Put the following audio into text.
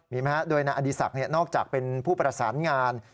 มีไหมฮะโดยนายอดีศักดิ์นอกจากเป็นผู้ประสานงาน